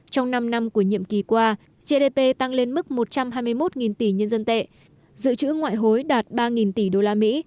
trong năm năm của nhiệm kỳ qua gdp tăng lên mức một trăm hai mươi một tỷ nhân dân tệ dự trữ ngoại hối đạt ba tỷ usd